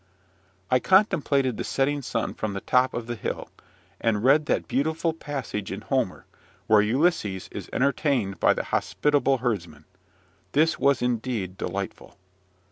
I contemplated the setting sun from the top of the hill, and read that beautiful passage in Homer, where Ulysses is entertained by the hospitable herdsmen. This was indeed delightful.